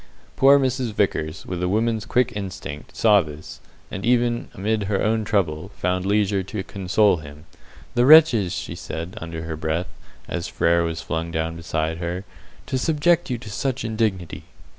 Poor Mrs. Vickers, with a woman's quick instinct, saw this, and, even amid her own trouble, found leisure to console him. "The wretches!" she said, under her breath, as Frere was flung down beside her, "to subject you to such indignity!"